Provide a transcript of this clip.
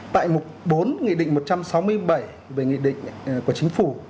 tại mục bốn nghị định một trăm sáu mươi bảy về nghị định của chính phủ